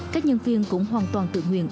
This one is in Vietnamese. các nhân viên cũng hoàn toàn tự nguyện